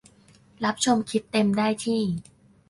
รับชมคลิปเต็มได้ที่